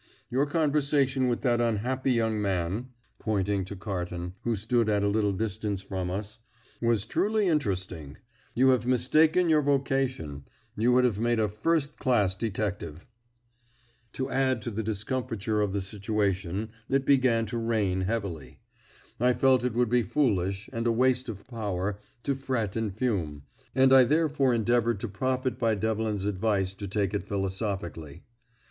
Your conversation with that unhappy young man" pointing to Carton, who stood at a little distance from us "was truly interesting. You have mistaken your vocation; you would have made a first class detective." To add to the discomfiture of the situation it began to rain heavily. I felt it would be foolish, and a waste of power, to fret and fume, and I therefore endeavoured to profit by Devlin's advice to take it philosophically.